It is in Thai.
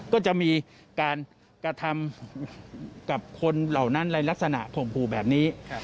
ก็จะมีการกระทำกับคนเหล่านั้นในลักษณะข่มขู่แบบนี้